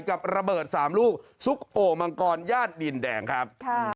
กับระเบิด๓ลูกซุกโอ่งมังกรญาติดินแดงครับ